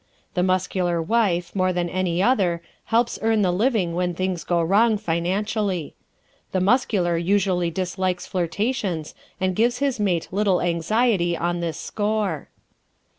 The Muscular wife, more often than any other, helps earn the living when things go wrong financially. The Muscular usually dislikes flirtations and gives his mate little anxiety on this score.